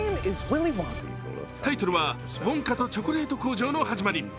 タイトルは「ウォンカとチョコレート工場のはじまり」。